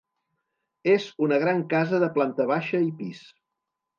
És una gran casa de planta baixa i pis.